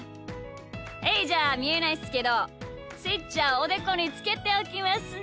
はいじゃあみえないっすけどスイッチはおでこにつけておきますね。